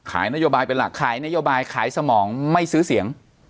นโยบายเป็นหลักขายนโยบายขายสมองไม่ซื้อเสียง